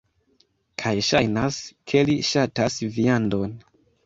Kaj ŝajnas, ke li ŝatas viandon.